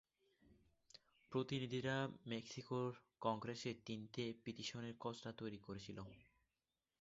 প্রতিনিধিরা মেক্সিকোর কংগ্রেসে তিনটে পিটিশনের খসড়া তৈরি করেছিল।